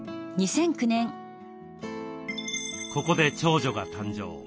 ここで長女が誕生。